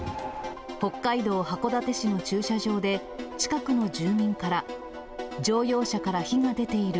北海道函館市の駐車場で、近くの住民から、乗用車から火が出ている。